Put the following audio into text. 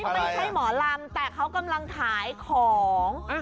ไม่ใช่หมอลำแต่เขากำลังขายของ